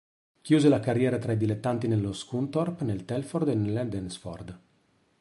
Chiuse la carriera tra i dilettanti nello Scunthorpe, nel Telford e nell'Hednesford.